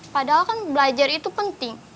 padahal kan belajar itu penting